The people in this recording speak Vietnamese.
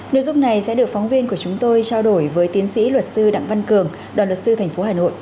nội dung này sẽ được phóng viên của chúng tôi trao đổi với tiến sĩ luật sư đặng văn cường đoàn luật sư thành phố hà nội